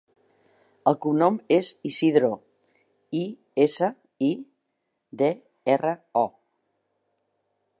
El cognom és Isidro: i, essa, i, de, erra, o.